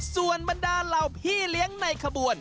ส่วนบรรดาเหล่าพี่เลี้ยงในขบวน